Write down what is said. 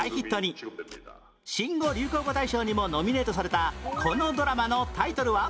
新語・流行語大賞にもノミネートされたこのドラマのタイトルは？